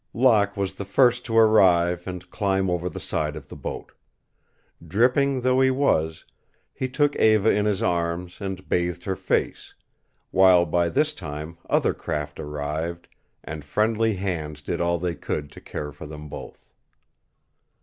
Locke was the first to arrive and climb over the side of the boat. Dripping though he was, he took Eva in his arms and bathed her face, while by this time other craft arrived and friendly hands did all they could to care for them both.